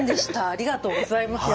ありがとうございます。